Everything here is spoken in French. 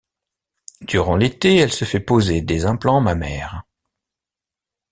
Durant l'été , elle se fait poser des implants mammaires.